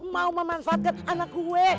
mau memanfaatkan anak gue